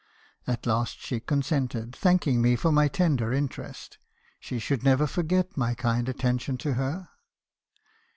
At last she con sented, thanking me for my tender interest; she should never forget my kind attention to her.